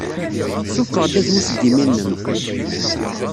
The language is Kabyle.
Ssuffeɣ-d azwu seg yimi-nnem.